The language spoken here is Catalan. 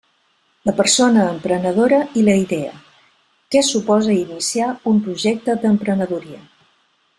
La persona emprenedora i la idea: què suposa iniciar un projecte d'emprenedoria.